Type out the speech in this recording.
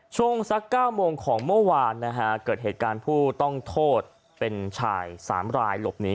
ช่วงสัก๙โมงของเมื่อวานนะฮะเกิดเหตุการณ์ผู้ต้องโทษเป็นชาย๓รายหลบหนี